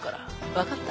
分かった？